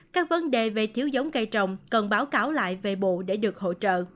các vấn đề về thiếu giống cây trồng cần báo cáo lại về bộ để được hỗ trợ